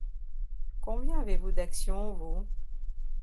Combien avez-vous d'actions, vous?